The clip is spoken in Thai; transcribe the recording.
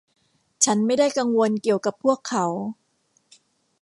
ฉันไม่ได้กังวลเกี่ยวกับพวกเขา